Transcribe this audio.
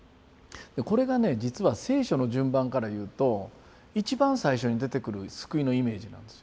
これがね実は聖書の順番からいうと一番最初に出てくる救いのイメージなんですよ。